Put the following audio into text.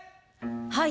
はい。